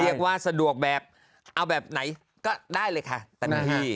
เรียกว่าสะดวกแบบเอาแบบไหนก็ได้เลยค่ะตันที